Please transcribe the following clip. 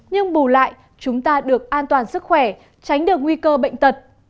nhưng bù lại chúng ta được an toàn sức khỏe tránh được nguy cơ bệnh tật